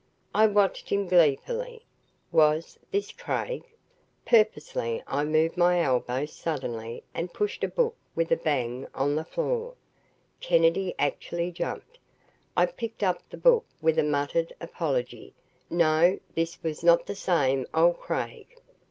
I watched him gleefully. Was this Craig? Purposely I moved my elbow suddenly and pushed a book with a bang on the floor. Kennedy actually jumped. I picked up the book with a muttered apology. No, this was not the same old Craig.